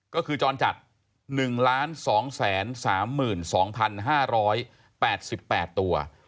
ก็คือจรจัด๑๒๓๒๕๘๘ตัว